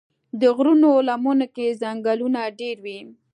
د غرونو لمنو کې ځنګلونه ډېر وي.